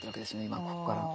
今ここから。